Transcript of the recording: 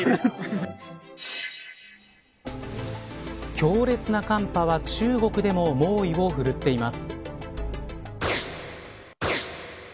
強烈な寒波は中国でも猛威を振るっています。